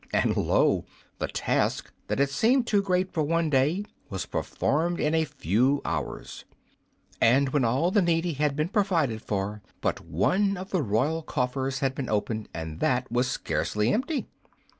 And lo! the task that had seemed too great for one day was performed in a few hours, and when all the needy had been provided for but one of the royal coffers had been opened, and that was scarcely empty!